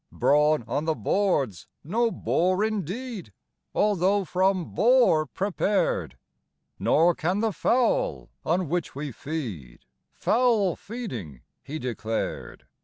Brawn on the board's no bore indeed although from boar prepared; Nor can the fowl, on which we feed, foul feeding he declared.